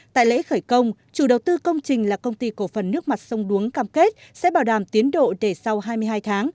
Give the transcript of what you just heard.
tại lễ khởi công chủ đầu tư công trình là công ty cổ phần nước mặt sông đuống cam kết sẽ bảo đảm tiến độ để sau hai mươi hai tháng